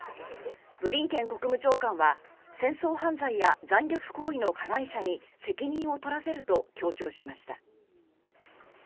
ブリンケン国務長官は戦争犯罪や残虐行為の加害者に責任を取らせると強調しました。